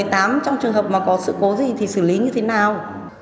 trong trường hợp mà có sự cố gì thì xử lý như thế nào